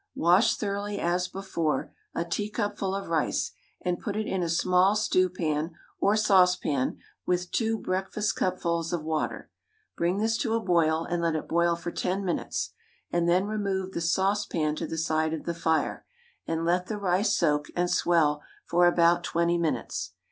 Wash thoroughly, as before, a teacupful of rice and put it in a small stew pan or saucepan with two breakfastcupfuls of water, bring this to a boil and let it boil for ten minutes, then remove the saucepan to the side of the fire and let the rice soak and swell for about twenty minutes.